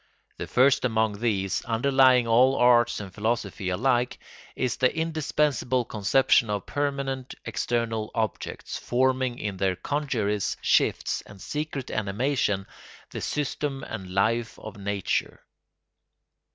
The first among these, underlying all arts and philosophies alike, is the indispensable conception of permanent external objects, forming in their congeries, shifts, and secret animation the system and life of nature.